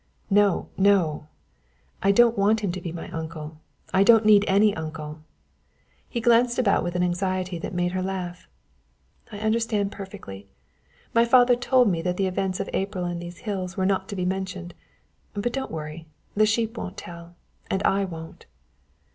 "No! No! I don't want him to be my uncle! I don't need any uncle!" He glanced about with an anxiety that made her laugh. "I understand perfectly! My father told me that the events of April in these hills were not to be mentioned. But don't worry; the sheep won't tell and I won't."